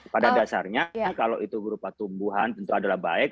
pada dasarnya kalau itu berupa tumbuhan tentu adalah baik